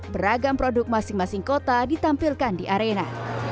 beragam produk masing masing kota ditampilkan di arena